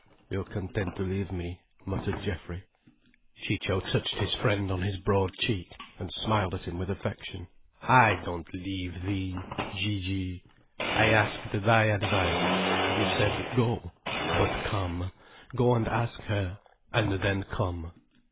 "You're content to leave me," muttered Geoffrey. Ciccio touched his friend on his broad cheek, and smiled at him with affection. "I don't leave thee, Gigi. I asked thy advice. You said, Go. But come. Go and ask her, and then come.